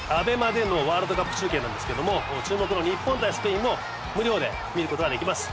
ＡＢＥＭＡでのワールドカップ中継なんですけども注目の日本対スペインも無料で見る事ができます。